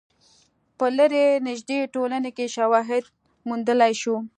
په لرې نژدې ټولنو کې شواهد موندلای شو.